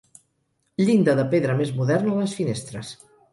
Llinda de pedra més moderna a les finestres.